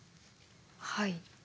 はい。